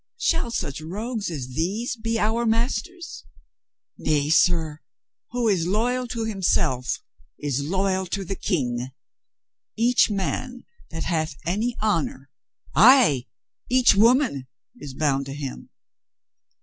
Shall such rogues as these be our masters? Nay, sir, who Is loyal to himself is loyal to the King. Each man that hath any honor, ay, each woman, is bound to him."